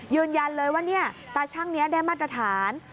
ยืนยันเลยว่าตาชั่งนี้ได้มาตรฐาน